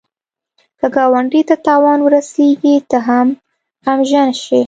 که ګاونډي ته تاوان ورسېږي، ته هم غمژن شه